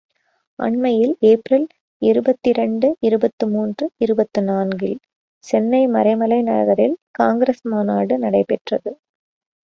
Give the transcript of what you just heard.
அண்மையில் ஏப்ரல் இருபத்திரண்டு, இருபத்து மூன்று, இருபத்து நான்கு இல் சென்னை மறைமலை நகரில் காங்கிரஸ் மாநாடு நடைபெற்றது.